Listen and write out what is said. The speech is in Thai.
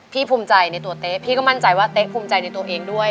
ภูมิใจในตัวเต๊ะพี่ก็มั่นใจว่าเต๊ะภูมิใจในตัวเองด้วย